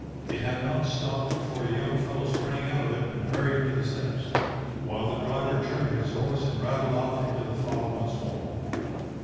It had not stopped before a young fellow sprang out of it and hurried to the steps, while the driver turned his horse and rattled off into the fog once more.